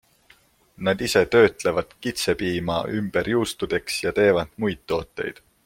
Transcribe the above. Nad ise töötlevad kitsepiima ümber juustudeks ja teevad muid tooteid.